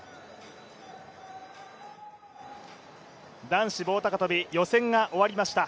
男子棒高跳予選が終わりました。